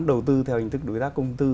đầu tư theo hình thức đối tác công tư